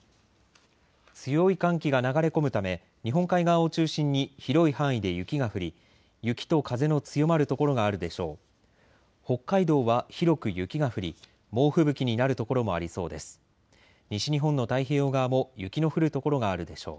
強い寒気が流れ込むため日本海側を中心に広い範囲で雪が降り、雪と風の強まる所があるでしょう。